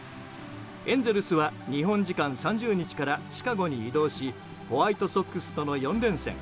エンゼルスは日本時間３０日からシカゴに移動しホワイトソックスとの４連戦。